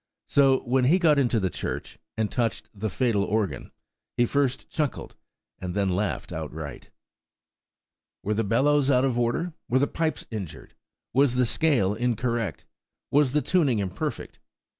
So when he got into the church, and touched the fatal organ, he first chuckled and then laughed outright. Were the bellows out of order? Were the pipes injured? Was the scale incorrect? Was the tuning imperfect?